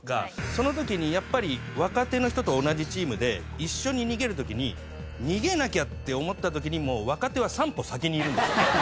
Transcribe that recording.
その時にやっぱり若手の人と同じチームで一緒に逃げる時に逃げなきゃって思った時にもう若手は３歩先にいるんですよね。